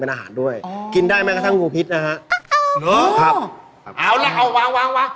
เอาละเอาหวาน